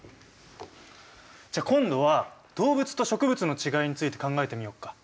じゃあ今度は動物と植物のちがいについて考えてみようか。